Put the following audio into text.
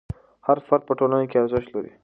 هر فرد په ټولنه کې ارزښت لري.